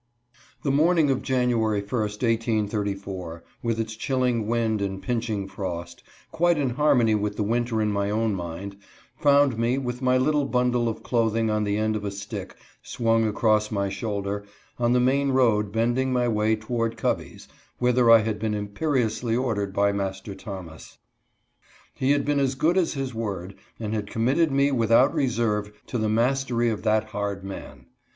THE morning of January 1, 1834, with its chilling wind and pinching frost, quite in harmony with the winter in my own mind, found me, with my little bundle of clothing on the end of a stick swung across my shoulder, on the main road bending my way towards Covey's, whither I had been imperiously ordered by Master Thomas. He had been as good as his word, and had committed me without reserve to the mastery of that hard man.